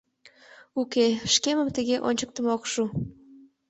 Уке, шкемым тыге ончыктымо ок шу.